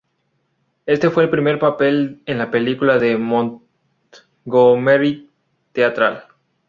Este fue el primer papel en una película de Montgomery teatral.